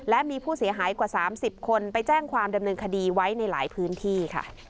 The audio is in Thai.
และมีผู้เสียหายกว่า๓๐คนไปแจ้งความดำเนินคดีไว้ในหลายพื้นที่ค่ะ